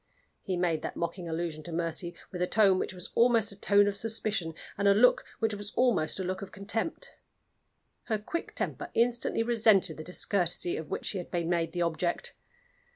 He made that mocking allusion to Mercy with a tone which was almost a tone of suspicion, and a look which was almost a look of contempt. Her quick temper instantly resented the discourtesy of which she had been made the object.